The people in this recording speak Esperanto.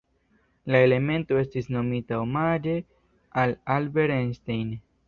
La elemento estis nomita omaĝe al Albert Einstein.